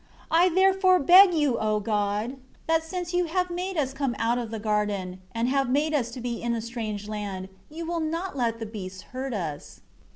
6 I therefore beg you, O God, that since You have made us come out of the garden, and have made us be in a strange land, You will not let the beasts hurt us."